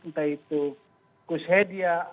entah itu kus hedia